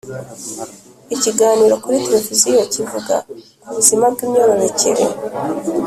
ikiganiro kuri televiziyo kivuga ku buzima bw’imyororokere,